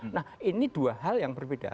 nah ini dua hal yang berbeda